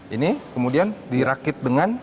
ini kemudian dirakit dengan